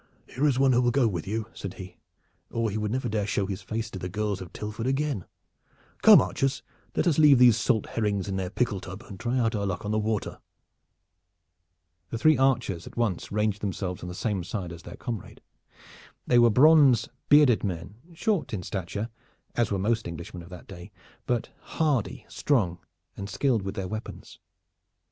"Here is one that will go with you," said he, "or he would never dare show his face to the girls of Tilford again. Come, archers, let us leave these salt herrings in their pickle tub and try our luck out on the water." The three archers at once ranged themselves on the same side as their comrade. They were bronzed, bearded men, short in stature, as were most Englishmen of that day, but hardy, strong and skilled with their weapons.